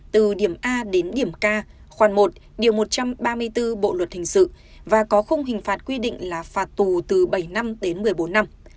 từ điểm a đến điểm k khoảng một điều một trăm ba mươi bốn bộ luật hình sự và có khung hình phạt quy định là phạt tù từ bảy năm đến một mươi bốn năm